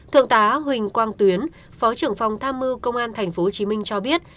thượng tá huỳnh quang tuyến phó trưởng phòng tham mưu công an tp hcm cho biết